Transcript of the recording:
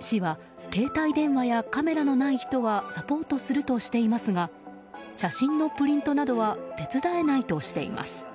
市は携帯電話やカメラのない人はサポートするとしていますが写真のプリントなどは手伝えないとしています。